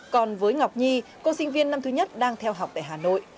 còn với ngọc nhi cô sinh viên năm thứ nhất đang theo học tại hà nội